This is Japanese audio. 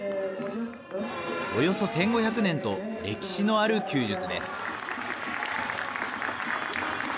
およそ１５００年と歴史のある弓術です。